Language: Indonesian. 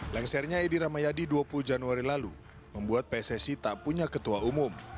lengsernya edi ramayadi dua puluh januari lalu membuat pssi tak punya ketua umum